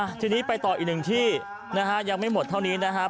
ทีนี้ไปต่ออีกหนึ่งที่นะฮะยังไม่หมดเท่านี้นะครับ